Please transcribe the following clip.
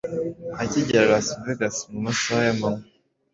Akigera Las Vegas mu masaha y’amanywa